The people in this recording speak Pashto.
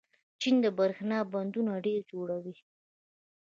چین د برښنا بندونه ډېر جوړوي.